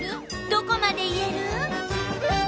どこまでいえる？